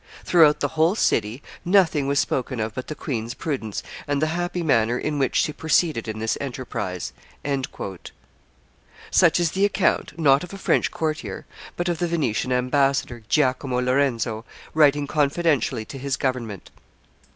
Throughout the whole city nothing was spoken of but the queen's prudence and the happy manner in which she proceeded in this enterprise." Such is the account, not of a French courtier, but of the Venetian ambassador, Giacomo Lorenzo, writing confidentially to his government.